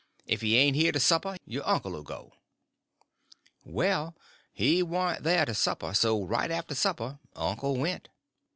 If he ain't here to supper, your uncle 'll go." Well, he warn't there to supper; so right after supper uncle went.